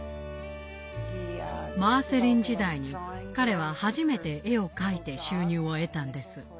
マーセリン時代に彼は初めて絵を描いて収入を得たんです。